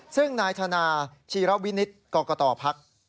ซึ่งนายธนาชีรวินิตกรกตภักดิ์